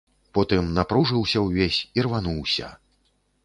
Потым напружыўся ўвесь, ірвануўся.